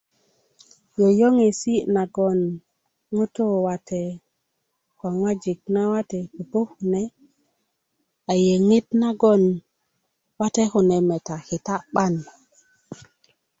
yöyöŋesi' nagoŋ ŋutuu wate ko ŋojuk nawate pupu kune a yöŋit nagoŋ wate kune meta kita 'ban